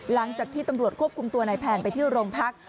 หลังจากที่ตำรวจควบคุมตัวนายแพนไปที่โรงพัก